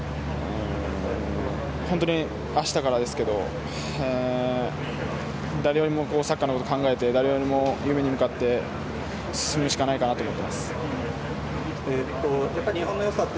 本当に明日からですけど誰よりもサッカーのことを考えて誰よりも夢に向かって進むしかないかなと思っています。